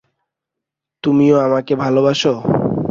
তুমিও আমাকে ভালোবাসো।